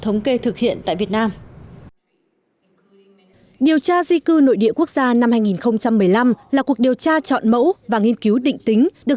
nhiều tra di cư nội địa quốc gia năm hai nghìn một mươi năm là cuộc điều tra chọn mẫu và nghiên cứu định tính được